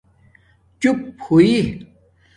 چُپ ہوئئ